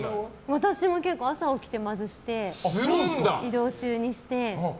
私も結構、朝起きてまずして移動中にして。